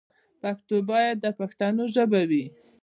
پښتو باید د پښتنو ژبه وي.